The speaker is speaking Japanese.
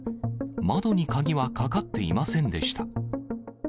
窓に鍵はかかっていませんでした。